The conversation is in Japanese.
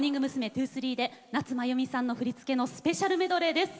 ’２３で夏まゆみさんの振り付けのスペシャルメドレーです。